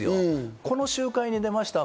この集会に出ました。